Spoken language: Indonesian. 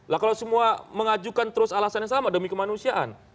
lah kalau semua mengajukan terus alasannya sama demi kemanusiaan